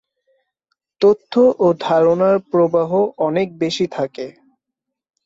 তথ্য ও ধারণার প্রবাহ অনেক বেশি থাকে।